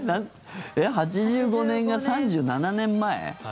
８５年が３７年前？